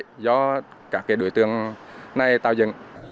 cho các cái đối tượng này tạo dựng